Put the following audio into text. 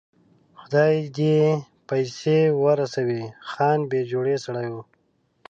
خدای یې دې پسې ورسوي، خان بې جوړې سړی و.